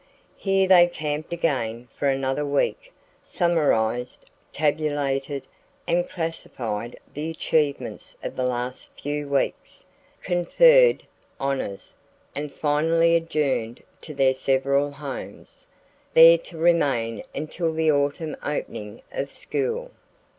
Here they camped again for another week, summarized, tabulated, and classified the achievements of the last few weeks, conferred honors, and finally adjourned to their several homes, there to remain until the autumn opening of school.